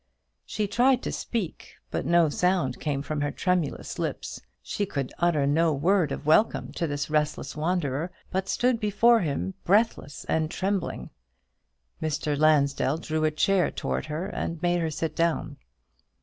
She tried to speak, but no sound came from her tremulous lips. She could utter no word of welcome to this restless wanderer, but stood before him breathless and trembling. Mr. Lansdell drew a chair towards her, and made her sit down.